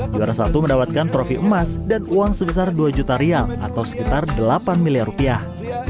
juara satu mendapatkan trofi emas dan uang sebesar dua juta rial atau sekitar delapan miliar rupiah